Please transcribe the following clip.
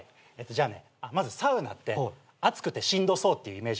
じゃあねまずサウナってあつくてしんどそうっていうイメージあるっしょ。